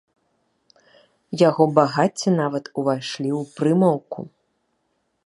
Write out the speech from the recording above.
Яго багацці нават ўвайшлі ў прымаўку.